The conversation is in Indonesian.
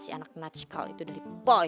si anak natchkal itu dari boy